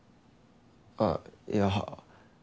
ああいや